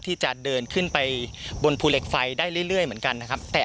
ที่จะเดินขึ้นไปบนภูเหล็กไฟได้เรื่อยเหมือนกันนะครับ